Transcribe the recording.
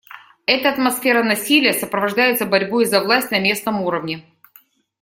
Эта атмосфера насилия сопровождается борьбой за власть на местном уровне.